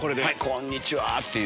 こんにちは！って。